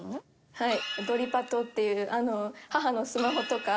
はい。